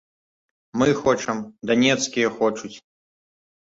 Мы хочам, данецкія хочуць.